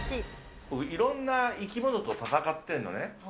いろんな生き物と戦ってるのね。